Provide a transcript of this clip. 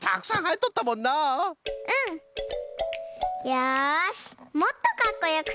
よしもっとかっこよくするぞ！